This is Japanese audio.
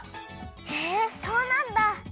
へえそうなんだ！